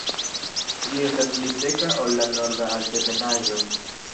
Ĝi estas pli seka ol la Norda Altebenaĵo.